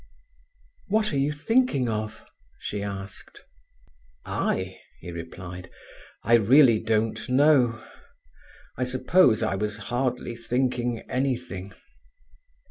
"What are you thinking of?" she asked. "I?" he replied. "I really don't know. I suppose I was hardly thinking anything."